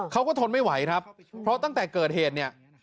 ทนไม่ไหวครับเพราะตั้งแต่เกิดเหตุเนี่ย